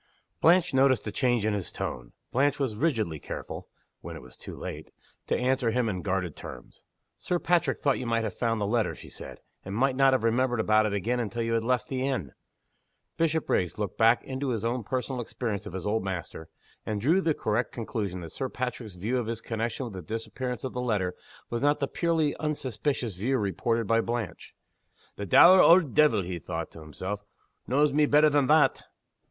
Blanche noticed a change in his tone. Blanche was rigidly careful (when it was too late) to answer him in guarded terms. "Sir Patrick thought you might have found the letter," she said, "and might not have remembered about it again until after you had left the inn." Bishopriggs looked back into his own personal experience of his old master and drew the correct conclusion that Sir Patrick's view of his connection with the disappearance of the letter was not the purely unsuspicious view reported by Blanche. "The dour auld deevil," he thought to himself, "knows me better than _that!